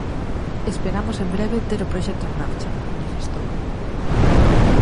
"Esperamos en breve ter o proxecto en marcha", manifestou.